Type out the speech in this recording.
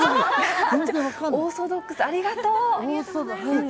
オーソドックス、ありがとう！